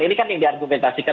ini kan yang diargumentasikan